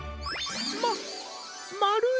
ままるい！